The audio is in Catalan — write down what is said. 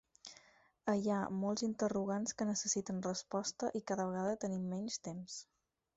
Hi ha molts interrogants que necessiten resposta i cada vegada tenim menys temps.